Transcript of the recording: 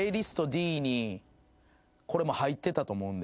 これも入ってたと思うんで。